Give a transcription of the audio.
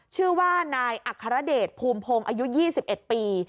ชื่อว่านายอัครเดชภูมิพงศ์อายุ๒๑ปี